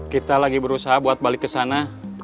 kita lagi berusaha buat balik kesana